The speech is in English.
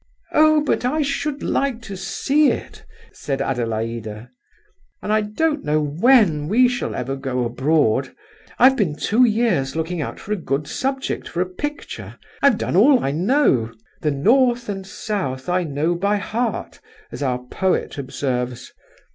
"Oh, but I should like to see it!" said Adelaida; "and I don't know when we shall ever go abroad. I've been two years looking out for a good subject for a picture. I've done all I know. 'The North and South I know by heart,' as our poet observes.